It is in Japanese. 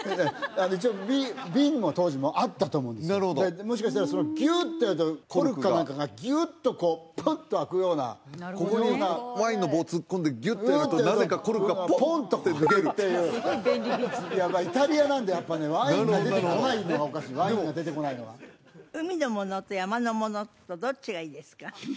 一応瓶も当時あったと思うんですなるほどもしかしたらギューッてやるとコルクか何かがギューッとこうプッと開くようなここにワインの棒を突っ込んでギュッてやるとなぜかコルクがポンと抜けるやっぱイタリアなんでやっぱねワインが出てこないのがおかしいワインが出てこないのが海のものと山のものとどっちがいいですか？